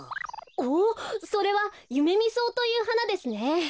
おっそれはユメミソウというはなですね。